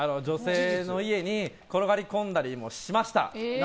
女性の家に転がり込んだりもしました。